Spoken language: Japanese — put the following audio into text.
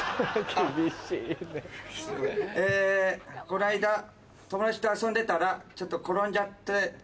この間友達と遊んでたらちょっと転んじゃって。